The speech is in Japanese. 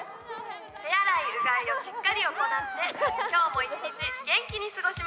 手洗いうがいをしっかり行って今日も一日元気に過ごしましょう。